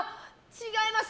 違います。